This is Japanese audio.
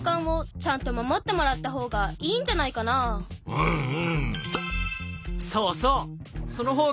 うんうん。